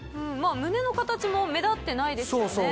胸の形も目立ってないですよね。